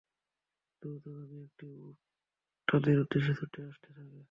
দ্রুতগামী একটি উট তাদের উদ্দেশে ছুটে আসতে থাকে।